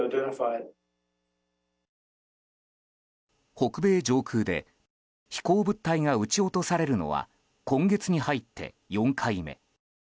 北米上空で飛行物体が撃ち落とされるのは今月に入って４回目。